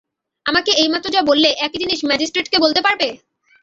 আমাকে এইমাত্র যা বললে একই জিনিস ম্যাজিস্ট্রেটকে বলতে পারবে?